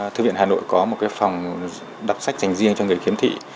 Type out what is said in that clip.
thư viện hà nội có một cái phòng đọc sách dành riêng cho người khiếm thị